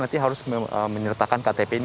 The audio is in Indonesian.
nanti harus menyertakan ktp ini